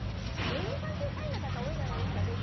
芸人さんってシャイな方多いじゃないですか。